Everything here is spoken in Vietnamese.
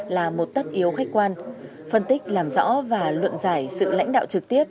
là một tất yếu khách quan phân tích làm rõ và luận giải sự lãnh đạo trực tiếp